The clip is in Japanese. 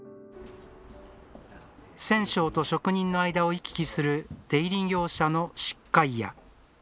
染匠と職人の間を行き来する出入り業者の悉皆屋。